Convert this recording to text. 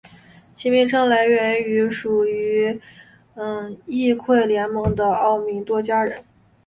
其名称来源于属于易洛魁联盟的奥农多加人。